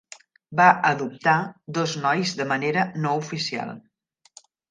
Va "adoptar" dos nois de manera no oficial.